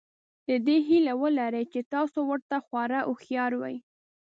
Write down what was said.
د دې هیله ولرئ چې تاسو ورته خورا هوښیار وئ.